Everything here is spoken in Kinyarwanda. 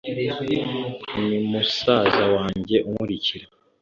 Ni musaza wanjye unkurikira